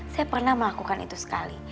saya pernah melakukan itu sekali